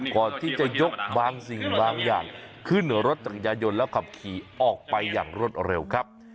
ก่อนที่จะยกบางสิ่งบางอย่างขึ้นรถจักรยายนแล้วขับขี่ออกไปอย่างรวดเร็วครับ